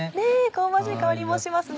香ばしい香りもしますね。